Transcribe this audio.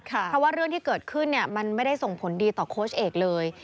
เพราะว่าเรื่องที่เกิดขึ้นมันไม่ได้ส่งผลดีต่อโค้ชเอกเลย